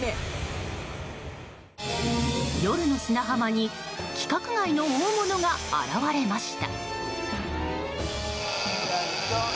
夜の砂浜に規格外の大物が現れました。